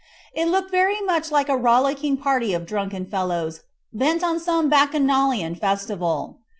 It looked very much like a rollicking party of drunken fellows bent on some Bacchanalian festival.